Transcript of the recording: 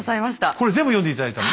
これ全部読んで頂いたの？